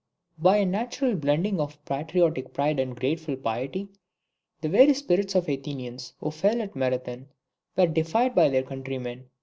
By a natural blending of patriotic pride with grateful piety, the very spirits of the Athenians who fell at Marathon were deified by their countrymen.